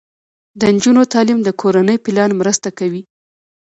د نجونو تعلیم د کورنۍ پلان مرسته کوي.